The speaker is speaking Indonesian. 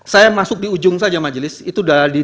saya masuk di ujung saja majelis itu sudah di